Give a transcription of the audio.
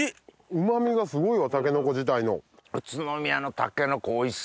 うま味がすごいわタケノコ自体の。